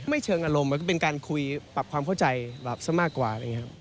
ไม่เชิงอารมณ์มันก็เป็นการคุยปรับความเข้าใจซะมากกว่า